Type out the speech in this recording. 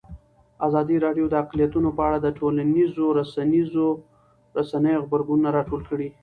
ازادي راډیو د اقلیتونه په اړه د ټولنیزو رسنیو غبرګونونه راټول کړي.